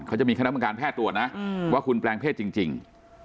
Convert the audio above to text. เขาจะมีคณะกรรมการแพทย์ตรวจนะว่าคุณแปลงเพศจริง